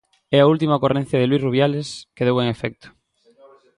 E a última ocorrencia de Luís Rubiales quedou en efecto.